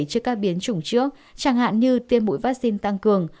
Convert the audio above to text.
trước các biến chủng trước chẳng hạn như tiêm mũi vaccine tăng cường